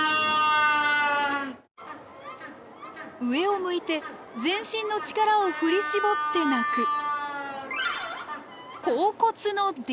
上を向いて全身の力を振り絞って鳴く。